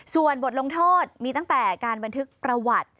ส่วนบทลงโทษมีตั้งแต่การบันทึกประวัติ